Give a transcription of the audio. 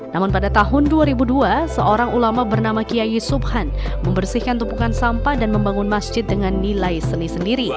namun pada tahun dua ribu dua seorang ulama bernama kiai subhan membersihkan tupukan sampah dan membangun masjid dengan nilai seni sendiri